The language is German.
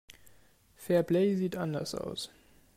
Fairplay sieht anders aus.